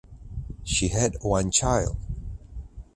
She had one child.